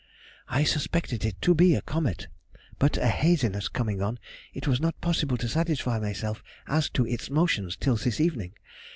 I suspected it to be a comet; but a haziness coming on, it was not possible to satisfy myself as to its motion till this evening.